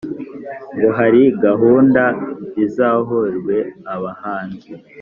ngo hari gahunda izahorwe abahanzi